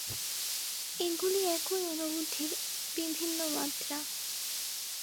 এগুলি একই অনুভূতির বিভিন্ন মাত্রা।